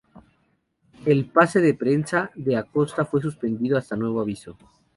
El pase de prensa de Acosta fue suspendido ""hasta nuevo aviso"".